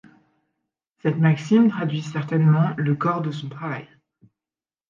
Cette maxime traduit certainement le corps de son travail.